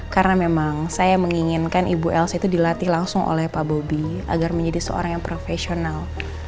karena memang saya menginginkan ibu elsa itu dilatih langsung oleh pak bobi agar menjadi seorang yang profesional